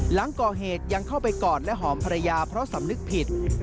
หลังก่อเหตุยังเข้าไปกอดและหอมภรรยาเพราะสำนึกผิด